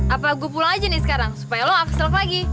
apa gue pulang aja nih sekarang supaya lo abstrak lagi